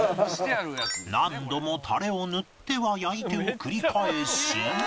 何度もタレを塗っては焼いてを繰り返し